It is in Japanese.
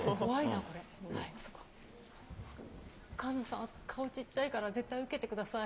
菅野さん、顔ちっちゃいから、絶対受けてください。